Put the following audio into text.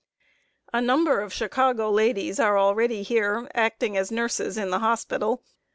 A number of Chicago ladies are already here, acting as nurses in the hospital.